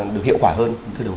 được hiệu quả hơn